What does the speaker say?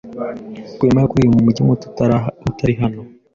Rwema yakuriye mu mujyi muto utari hano.